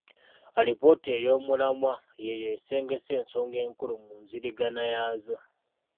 Alipoota ey'omulamwa y'eyo esengese ensonga enkulu mu nziringana yaazo.